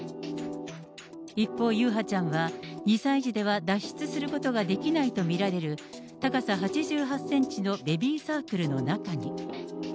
一方、優陽ちゃんは２歳児では脱出することができないと見られる、高さ８８センチのベビーサークルの中に。